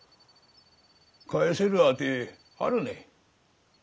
返せる当てあるね？